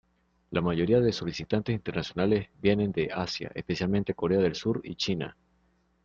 La mayoría de solicitantes internacionales vienen de Asia, especialmente Korea del Sur y China.